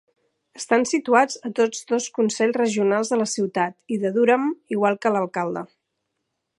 Estan situats a tots dos consells regionals de la ciutat i de Durham, igual que l'alcalde.